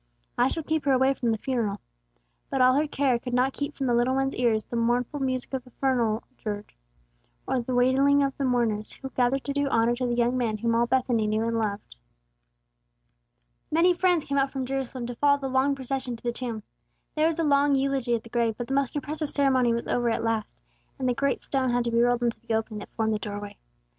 "I shall keep her away from the funeral." But all her care could not keep from the little one's ears the mournful music of the funeral dirge, or the wailing of the mourners, who gathered to do honor to the young man whom all Bethany knew and loved. Many friends came out from Jerusalem to follow the long procession to the tomb. There was a long eulogy at the grave; but the most impressive ceremony was over at last, and the great stone had to be rolled into the opening that formed the doorway.